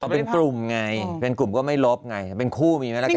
เป็นกลุ่มไงเป็นกลุ่มก็ไม่ลบไงเป็นคู่มีไหมละกัน